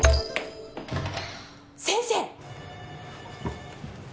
先生。